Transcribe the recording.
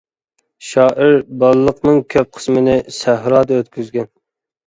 شائىر بالىلىقىنىڭ كۆپ قىسمىنى سەھرادا ئۆتكۈزگەن.